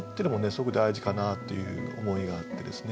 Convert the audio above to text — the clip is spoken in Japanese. すごく大事かなという思いがあってですね。